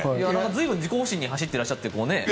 随分、自己保身に走っていらっしゃって。